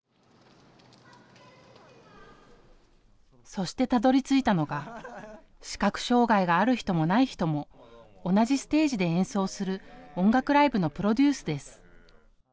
そして、たどり着いたのが視覚障害がある人も、ない人も同じステージで演奏する音楽ライブのプロデュースです。